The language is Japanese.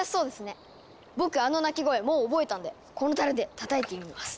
僕あの鳴き声もう覚えたんでこのたるでたたいてみます。